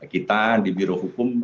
kita di biro hukum